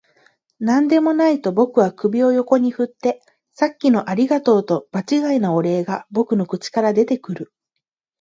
「何でもない」と僕は首を横に振って、「さっきのありがとう」と場違いなお礼が僕の口から出てくる